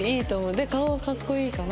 で顔はかっこいいから。